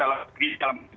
hal yang disaksikan